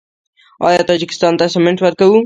آیا تاجکستان ته سمنټ ورکوو؟